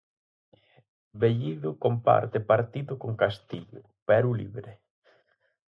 Bellido comparte partido con Castillo, Perú Libre.